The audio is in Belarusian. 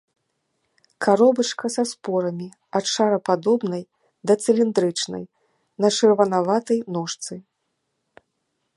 Каробачка са спорамі ад шарападобнай да цыліндрычнай, на чырванаватай ножцы.